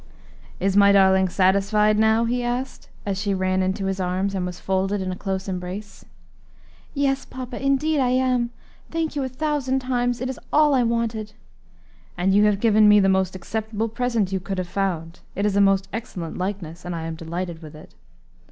"Is my darling satisfied now?" he asked, as she ran into his arms and was folded in a close embrace. "Yes, papa, indeed I am; thank you a thousand times; it is all I wanted." "And you have given me the most acceptable present you could have found. It is a most excellent likeness, and I am delighted with it."